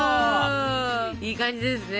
いい感じですね！